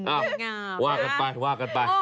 ว่ากันไปว่ากันไป